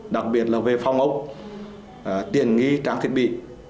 đặc biệt là về phong ốc tiền nghi trang thiết bị